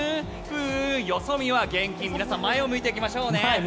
よそ見は厳禁皆さん前を向いていきましょうね。